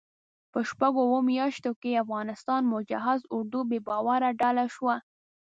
په شپږو اوو میاشتو کې افغانستان مجهز اردو بې باوره ډله شوه.